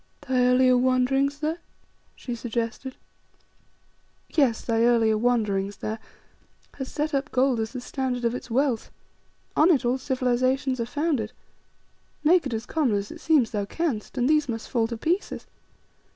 "Thy earlier wanderings there," she suggested. "Yes thy earlier wanderings there, has set up gold as the standard of its wealth. On it all civilizations are founded. Make it as common as it seems thou canst, and these must fall to pieces.